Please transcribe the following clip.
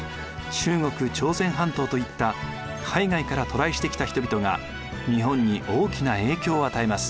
中国朝鮮半島といった海外から渡来してきた人々が日本に大きな影響を与えます。